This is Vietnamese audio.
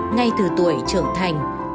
ngay từ tuổi trưởng thành